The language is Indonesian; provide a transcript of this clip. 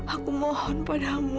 aku mohon padamu